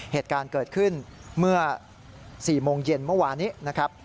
เหตุการณ์เกิดขึ้นเมื่อ๔โมงเย็นเมื่อวานนี้นะครับ